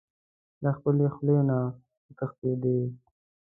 له خپلې خولې نه و تښتېدلی.